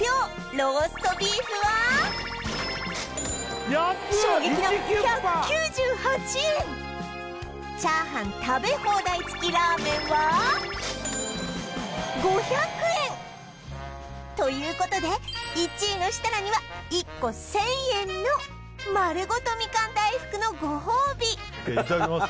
ローストビーフは衝撃の１９８円チャーハン食べ放題つきラーメンは５００円ということで１位の設楽には１個１０００円の丸ごとみかん大福のご褒美いただきます